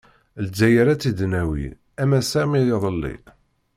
Lezzayer ad tt-id-nawi, am ass-a am yiḍelli.